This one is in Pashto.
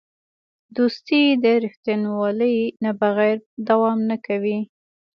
دوستي د رښتینولۍ نه بغیر دوام نه کوي.